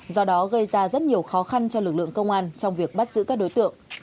do đó gây ra rất nhiều khó khăn cho lực lượng công an trong việc bắt giữ các đối tượng